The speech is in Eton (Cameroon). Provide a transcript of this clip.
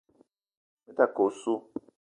Me ta ke osso.